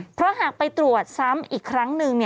เพราะหากไปตรวจซ้ำอีกครั้งหนึ่ง